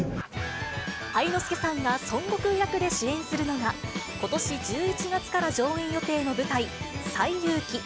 愛之助さんが孫悟空役で主演するのが、ことし１１月から上演予定の舞台、西遊記。